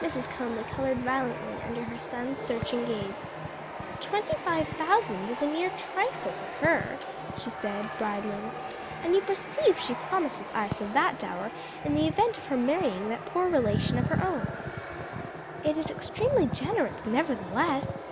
Mrs. Conly colored violently under her son's searching gaze. "Twenty five thousand is a mere trifle to her," she said, bridling, "and you perceive she promises Isa that dower in the event of her marrying that poor relation of her own." "It is extremely generous, nevertheless!"